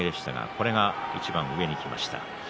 これがいちばん上にきました。